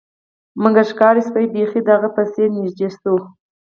مګر ښکاري سپي بیخي د هغه په پسې نږدې شوي وو